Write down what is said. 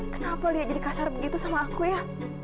kenapa lia jadi kasar begitu sama aku ya